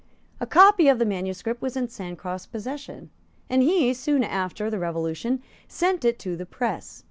A copy of the manuscript was in Sancroft's possession; and he, soon after the Revolution, sent it to the press.